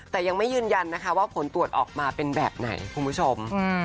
แต่ยังไม่ยืนยันนะคะว่าผลตรวจออกมาเป็นแบบไหนคุณผู้ชม